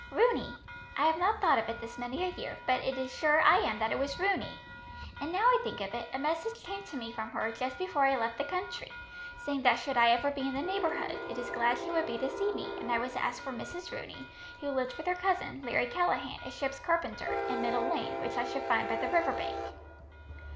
"Rooney. I have not thought of it this many a year, but it is sure I am that it was Rooney; and now I think of it, a message came to me from her, just before I left the country, saying that should I ever be in the neighbourhood, it is glad she would be to see me; and I was to ask for Mrs. Rooney, who lived with her cousin, Larry Callaghan, a ship's carpenter, in Middle Lane, which I should find by the river bank."